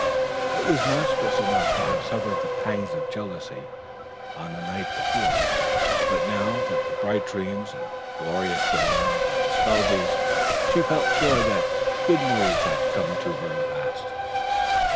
It was monstrous enough to have suffered the pangs of jealousy on the night before; but now that the bright dreams and glorious dawn had dispelled these, she felt sure that good news had come at last.